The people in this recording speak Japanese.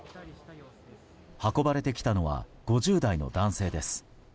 運ばれてきたのは５０代の男性です。